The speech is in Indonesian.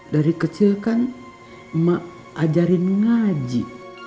dari kecil kan mak ajarin ngaji